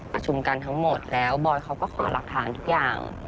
ประชุมกันทั้งหมดแล้วบอยเขาก็ขอหลักฐานทุกอย่าง